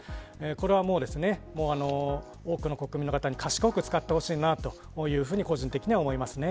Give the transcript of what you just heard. これは、もう多くの国民の方に賢く使ってほしいなというふうに個人的には思います。